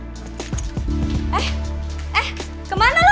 eh kemana lo